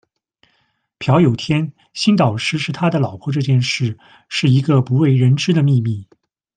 朴有天，新导师是他的老婆这件事是一个不为人知的秘密。